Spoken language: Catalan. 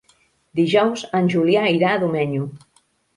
Dijous en Julià irà a Domenyo.